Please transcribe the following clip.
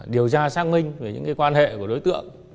điều tra xác minh về những quan hệ của đối tượng